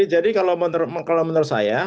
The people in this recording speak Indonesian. jadi kalau menurut saya